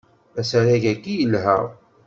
Asarag-agi yelha.